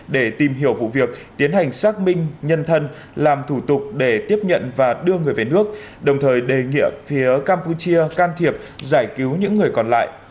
để tìm hiểu vụ việc tiến hành xác minh nhân thân làm thủ tục để tiếp nhận và đưa người về nước đồng thời đề nghị phía campuchia can thiệp giải cứu những người còn lại